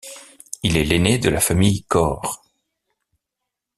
Il est l'aîné de la famille Corr.